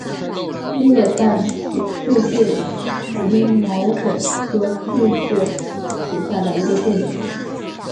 裂瓣翠雀为毛茛科翠雀属下的一个变种。